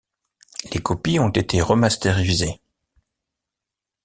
Les copies ont été remastérisées.